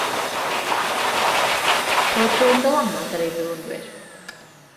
Cafodd gryn ddylanwad ar ei ddilynwyr.